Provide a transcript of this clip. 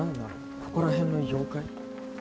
ここら辺の妖怪？